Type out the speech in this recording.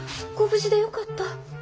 ご無事でよかった」。